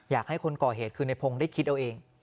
อยากให้คนก่อเหตุคือในพงศ์ได้คิดเอาเอง